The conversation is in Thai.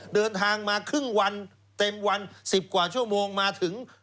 เดินทางมาครึ่งวันเต็มวัน๑๐กว่าชั่วโมงมาถึง